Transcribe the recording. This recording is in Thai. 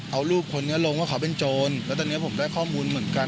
เอารูปคนนี้ลงว่าเขาเป็นโจรแล้วตอนนี้ผมได้ข้อมูลเหมือนกัน